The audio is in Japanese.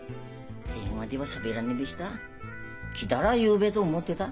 電話ではしゃべらんねべした。